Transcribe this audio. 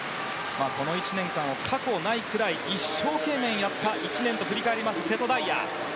この１年間は過去にないくらい一生懸命やった１年と振り返ります、瀬戸大也。